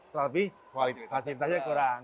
tapi fasilitasnya kurang